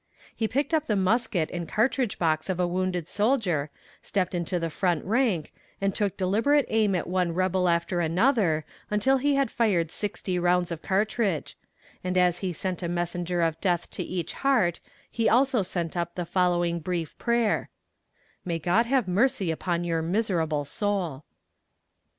He picked up the musket and cartridge box of a wounded soldier, stepped into the front rank, and took deliberate aim at one rebel after another until he had fired sixty rounds of cartridge; and as he sent a messenger of death to each heart he also sent up the following brief prayer: "May God have mercy upon your miserable soul."